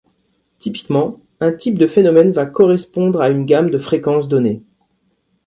Typiquement, un type de phénomène va correspondre à une gamme de fréquences donnée.